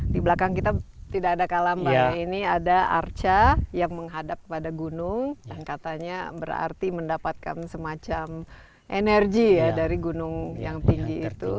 di belakang kita tidak ada kalambang ini ada arca yang menghadap kepada gunung dan katanya berarti mendapatkan semacam energi ya dari gunung yang tinggi itu